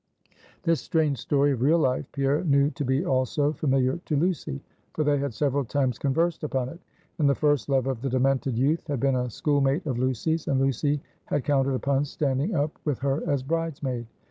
This strange story of real life, Pierre knew to be also familiar to Lucy; for they had several times conversed upon it; and the first love of the demented youth had been a school mate of Lucy's, and Lucy had counted upon standing up with her as bridesmaid.